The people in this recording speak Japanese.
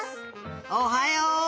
おはよう！